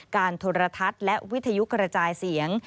โทรทัศน์และวิทยุกระจายเสียง